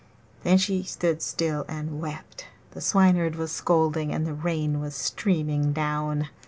Then she stood still and wept; the Swineherd was scolding, and the rain was streaming down.